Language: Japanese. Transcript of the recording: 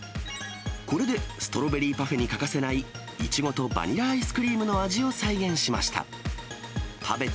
これでストロベリーパフェに欠かせない、いちごとバニラアイスクリームの味を再現しました。